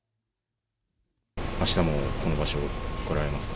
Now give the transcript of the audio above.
あしたもこの場所に来られますか？